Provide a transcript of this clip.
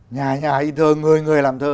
nhà nhà ý thơ người người làm thơ